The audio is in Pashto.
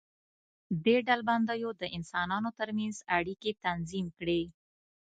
دې ډلبندیو د انسانانو تر منځ اړیکې تنظیم کړې.